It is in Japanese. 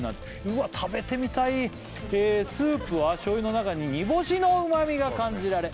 うわっ食べてみたい「スープは醤油の中に」「煮干しの旨みが感じられ」